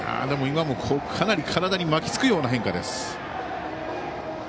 今もかなり体に巻きつくような変化でした。